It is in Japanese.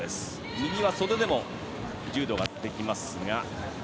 右は袖でも柔道ができますが。